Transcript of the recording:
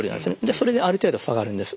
それである程度下がるんです。